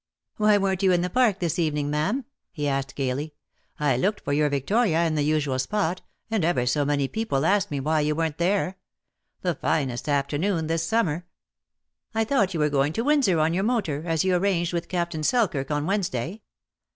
"Why weren't you in the Park this evening, ma'am?" he asked gaily. "I looked for your Victoria in the usual spot, and ever so many people asked me why you weren't there. The finest afternoon this summer !" "I thought you were going to Windsor on your motor, as you arranged with Captain Selkirk on Wednesday."